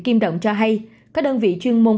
kim động cho hay các đơn vị chuyên môn